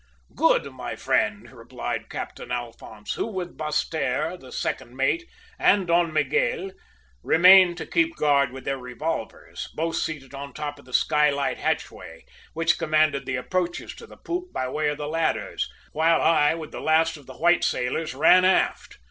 "`Good, my friend,' replied Captain Alphonse, who with Basseterre, the second mate, and Don Miguel, remained to keep guard with their revolvers, both seated on top of the skylight hatchway, which commanded the approaches to the poop by way of the ladders, while I, with the last of the white sailors, ran aft.